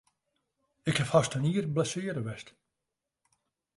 Ik haw hast in jier blessearre west.